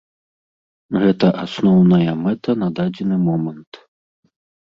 Гэта асноўная мэта на дадзены момант.